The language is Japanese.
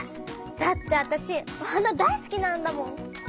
だってあたしお花大すきなんだもん！